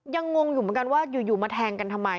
งงอยู่เหมือนกันว่าอยู่มาแทงกันทำไม